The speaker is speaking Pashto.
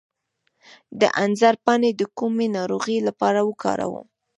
د انځر پاڼې د کومې ناروغۍ لپاره وکاروم؟